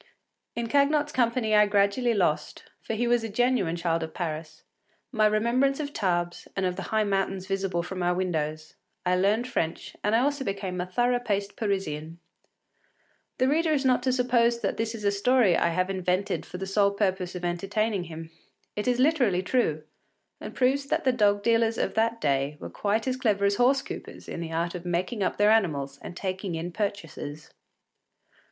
In Cagnotte’s company I gradually lost, for he was a genuine child of Paris, my remembrance of Tarbes and of the high mountains visible from our windows; I learned French and I also became a thorough paced Parisian. The reader is not to suppose that this is a story I have invented for the sole purpose of entertaining him. It is literally true, and proves that the dog dealers of that day were quite as clever as horse coupers in the art of making up their animals and taking in purchasers.